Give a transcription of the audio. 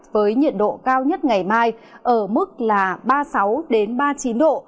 với nhiệt độ cao nhất ngày mai ở mức là ba mươi sáu ba mươi chín độ